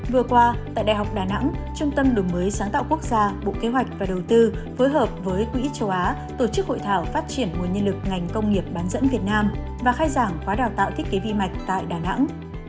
vừa qua tại đại học đà nẵng trung tâm đổi mới sáng tạo quốc gia bộ kế hoạch và đầu tư phối hợp với quỹ châu á tổ chức hội thảo phát triển nguồn nhân lực ngành công nghiệp bán dẫn việt nam và khai giảng khóa đào tạo thiết kế vi mạch tại đà nẵng